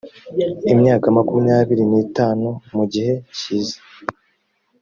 imyaka makumyabiri n itanu mu gihe kiza